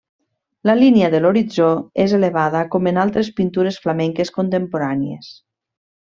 La línia de l'horitzó és elevada com en altres pintures flamenques contemporànies.